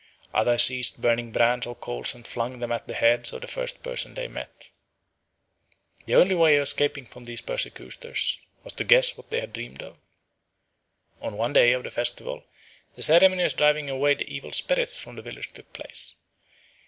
Others seized burning brands or coals and flung them at the heads of the first persons they met. The only way of escaping from these persecutors was to guess what they had dreamed of. On one day of the festival the ceremony of driving away evil spirits from the village took place.